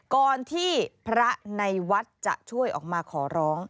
ก่อนที่พระในวัดจะช่วยออกมาขอร้อง